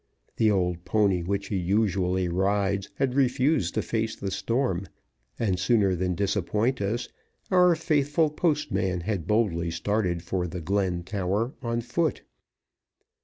The old pony which he usually rides had refused to face the storm, and, sooner than disappoint us, our faithful postman had boldly started for The Glen Tower on foot.